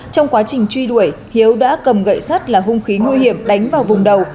trong quá trình truy đuổi hiếu đã cầm gậy sắt là hung khí nguy hiểm đánh vào vùng đầu